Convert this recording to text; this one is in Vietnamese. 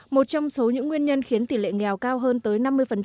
một trong số những nguyên nhân khiến tỷ lệ nghèo cao hơn tới năm mươi